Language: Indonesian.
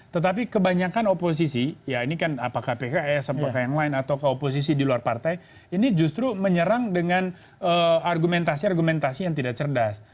tetapi kebanyakan oposisi ya ini kan apakah pks apakah yang lain atau ke oposisi di luar partai ini justru menyerang dengan argumentasi argumentasi yang tidak cerdas